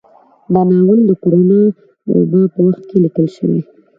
دا ناول د کرونا وبا په وخت کې ليکل شوى